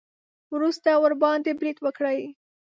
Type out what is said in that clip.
وروسته ورباندې برید وکړي.